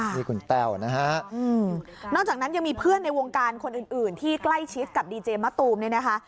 นี่คุณแต้วนะฮะนอกจากนั้นยังมีเพื่อนในวงการคนอื่นที่ใกล้ชิดกับดีเจมะตูมเนี่ยนะคะ